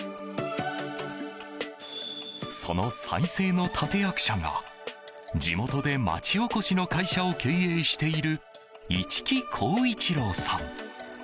その再生の立役者が、地元で町おこしの会社を経営している市来広一郎さん。